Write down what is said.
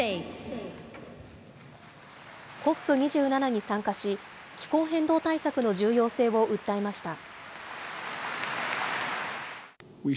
ＣＯＰ２７に参加し、気候変動対策の重要性を訴えました。